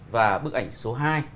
và bức ảnh số hai